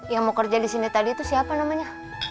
yang mau kerja disini tadi itu siapa namanya